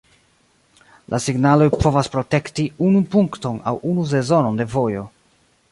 La signaloj povas protekti unu punkton aŭ unu sezonon de vojo.